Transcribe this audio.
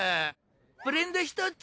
ブレンド１つ。